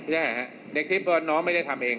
ในคลิปน้องไม่ได้ทำเอง